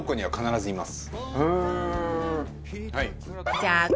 はい。